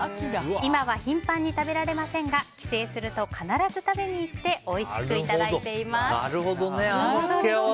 今は頻繁に食べられませんが帰省すると必ず食べに行っておいしくいただいています。